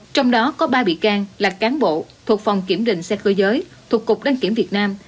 trong đó có ba bị can là cán bộ thuộc phòng kiểm định xe cơ giới thuộc cục đăng kiểm việt nam